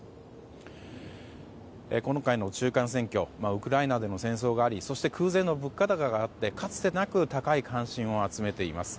ウクライナでも戦争がありそして空前の物価高があってかつてなく高い関心を集めています。